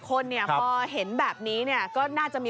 ขอบคุณครับ